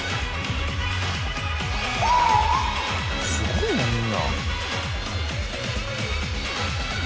「すごいなみんな」